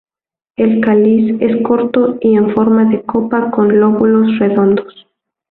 El cáliz es corto y en forma de copa, con lóbulos redondos.